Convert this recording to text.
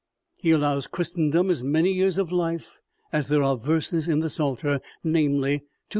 He allows Christendom as many years of life as there are verses in the psalter, namely, 2537.